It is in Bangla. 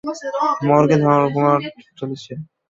মর্গে ধর্মঘট চলছে।